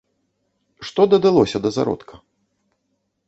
Што дадалося да зародка?